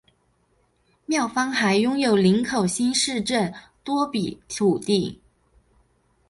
庙方还拥有林口新市镇多笔土地。